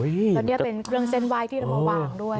เป็นเรื่องเซ็นไลท์ที่เรามาวางด้วย